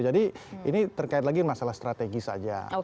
jadi ini terkait lagi masalah strategi saja